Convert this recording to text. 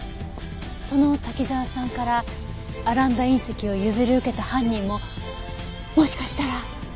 その滝沢さんからアランダ隕石を譲り受けた犯人ももしかしたら。